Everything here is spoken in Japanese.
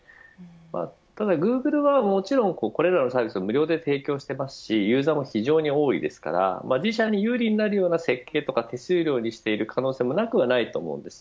ただグーグルは、もちろんこれらのサービスを無料で提供していますしユーザーも非常に多いですから自社に有利になるような設計とか手数料にしている可能性もなくはないです。